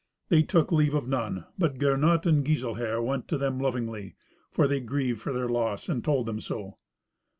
They took leave of none; but Gernot and Giselher went to them lovingly, for they grieved for their loss, and told them so.